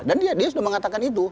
dia sudah mengatakan itu